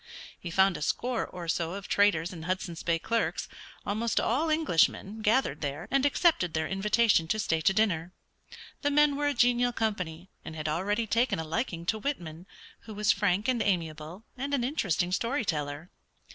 He found a score or so of traders and Hudson's Bay clerks, almost all Englishmen, gathered there, and accepted their invitation to stay to dinner. The men were a genial company, and had already taken a liking to Whitman, who was frank and amiable, and an interesting story teller.